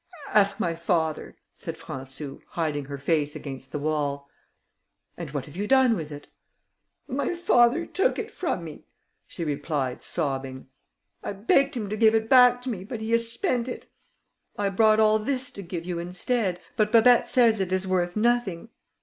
"Ask my father," said Françou, hiding her face against the wall. "And what have you done with it?" "My father took it from me," she replied, sobbing. "I begged him to give it back to me, but he has spent it. I brought all this to give you instead, but Babet says it is worth nothing."